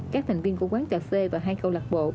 các thành viên của quán cà phê và hai câu lạc bộ